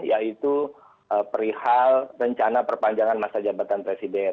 yaitu perihal rencana perpanjangan masa jabatan presiden